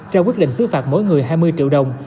ra quyết định xứ phạt mỗi người hai mươi triệu đồng